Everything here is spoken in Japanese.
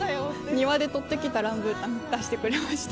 庭で取って来たランブータン出してくれました。